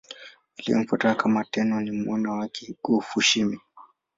Aliyemfuata kama Tenno ni mwana wake Go-Fushimi.